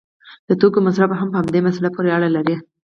د توکو مصرف هم په همدې مسله پورې اړه لري.